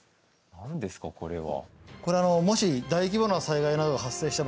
何ですか、これは？